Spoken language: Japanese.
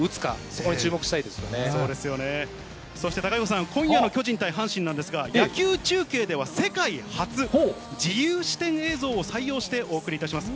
そして、きょうの巨人対阪神なんですが、野球中継では世界初、自由視点映像を採用してお送りいたします。